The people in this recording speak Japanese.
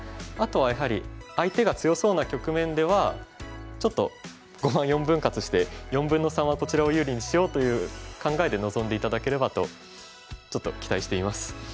あとはやはり相手が強そうな局面ではちょっと碁盤４分割して４分の３はこちらを有利にしようという考えで臨んで頂ければとちょっと期待しています。